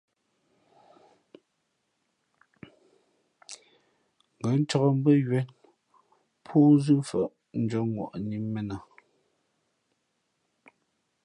Ngα̌ ncāk mbʉ́ά ywēn póónzʉ̄ mfαʼ ndʉ̄ᾱŋwαni mēn a.